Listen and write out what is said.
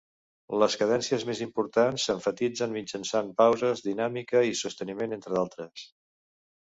Les cadències més importants s'emfatitzen mitjançant pauses, dinàmica i sosteniment, entre d'altres.